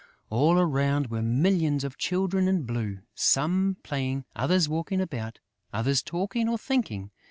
All around were millions of Children in blue, some playing, others walking about, others talking or thinking.